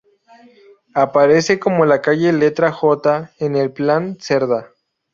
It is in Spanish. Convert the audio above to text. Aparece como la calle letra J en el Plan Cerdá.